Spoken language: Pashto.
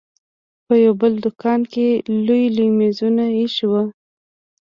په يو بل دوکان کښې لوى لوى مېزونه ايښي وو.